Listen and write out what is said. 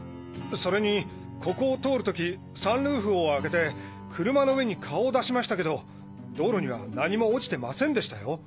それにここを通る時サンルーフを開けて車の上に顔を出しましたけど道路には何も落ちてませんでしたよ！